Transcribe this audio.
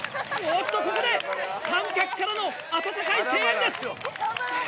おっと、ここで観客からの温かい声援です。